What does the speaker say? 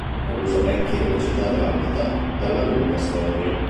Ragusa Vecchia è una città dalmata dalla lunga storia.